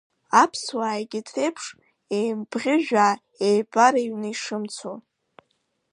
Аԥсуаа егьырҭ реиԥш, еимбӷьыжәаа еибарыҩны ишымцо.